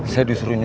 saya disuruh nyuruh